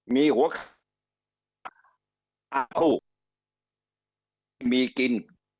มีหัวข้าวมีอาภูกิมีกิน